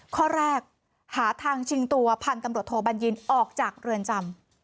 ข้อแรกหาทางชิงตัวพันธุ์ตำรวจโทบัญญินออกจากเรือนจำ